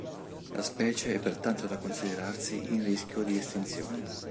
La specie è pertanto da considerarsi in rischio di estinzione.